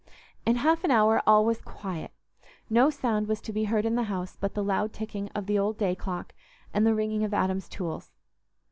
In half an hour all was quiet; no sound was to be heard in the house but the loud ticking of the old day clock and the ringing of Adam's tools.